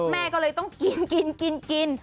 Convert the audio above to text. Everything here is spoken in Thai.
แม่ก็เลยต้องกินกิน